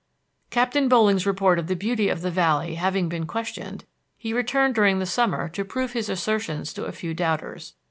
Captain Boling's report of the beauty of the valley having been questioned, he returned during the summer to prove his assertions to a few doubters.